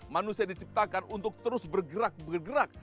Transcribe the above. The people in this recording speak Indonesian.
manusia diciptakan untuk terus bergerak bergerak